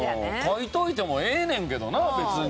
書いておいてもええねんけどな別に。